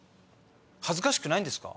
恥ずかしくないんですか？